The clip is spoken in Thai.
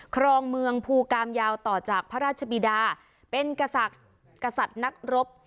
ครองเมืองภูกามยาวต่อจากพระราชบิดาเป็นกษ์กษัตริย์นักรบ